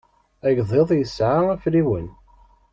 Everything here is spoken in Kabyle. Agḍiḍ yesɛa afriwen.